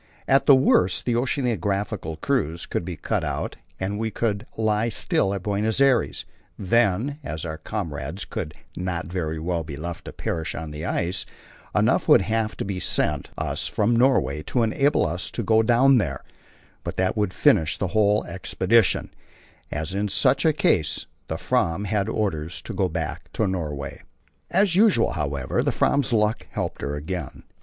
At the worst the oceanographical cruise could be cut out, and we could lie still at Buenos Aires; then, as our comrades could not very well be left to perish on the ice, enough would have to be sent us from Norway to enable us to go down there; but that would finish the whole expedition, as in such a case the Fram had orders to go back to Norway. As usual, however, the Fram's luck helped her again.